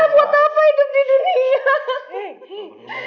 buat apa hidup di dunia